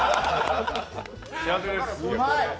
幸せです。